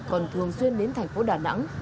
còn thường xuyên đến thành phố đà nẵng